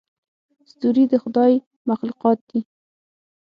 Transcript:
ستوري د خدای مخلوقات دي.